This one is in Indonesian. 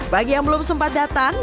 bagi yang belum sempat datang